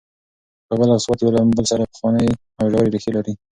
کابل او سوات یو له بل سره پخوانۍ او ژورې ریښې لري.